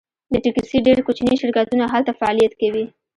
د ټکسي ډیر کوچني شرکتونه هلته فعالیت کوي